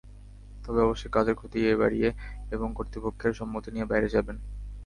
তবে অবশ্যই কাজের ক্ষতি এড়িয়ে এবং কর্তৃপক্ষের সম্মতি নিয়ে বাইরে যাবেন।